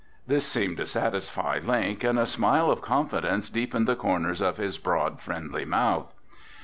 This seemed to satisfy Link and a smile of confidence deepened the corners of his broad, friendly mouth.